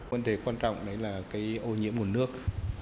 vấn đề quan trọng đấy là cái ô nhiễm nguồn nước